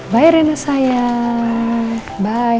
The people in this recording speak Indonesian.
sama oma sama tante ya